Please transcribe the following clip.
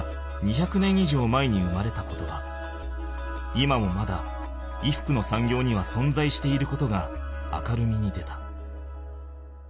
今もまだ衣服のさんぎょうにはそんざいしていることが明るみに出た。